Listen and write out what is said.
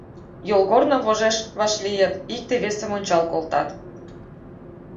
Йолгорно вожеш вашлийыт, икте-весым ончал колтат.